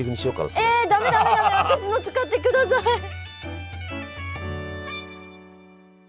私の使ってください！